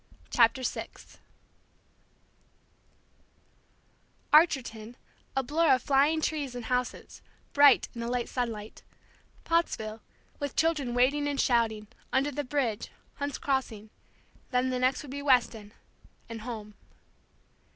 CHAPTER VI Archerton, a blur of flying trees and houses, bright in the late sunlight, Pottsville, with children wading and shouting, under the bridge, Hunt's Crossing, then the next would be Weston and home.